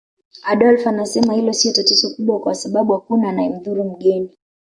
Adolf anasema hilo sio tatizo kubwa kwa sababu hakuna anayemdhuru mgeni